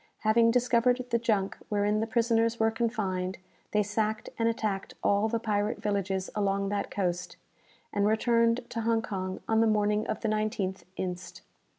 Having discovered the junk wherein the prisoners were confined, they sacked and attacked all the pirate villages along that coast, and returned to Hong Kong on the morning of the 19th inst.